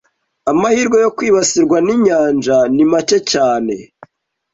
Amahirwe yo kwibasirwa ninyanja ni make cyane.